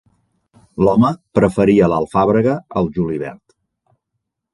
L'home preferia l'alfàbrega al julivert.